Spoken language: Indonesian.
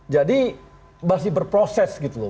jadi masih berproses gitu loh